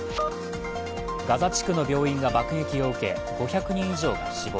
ガザ地区の病院が爆撃を受け、５００人以上が死亡。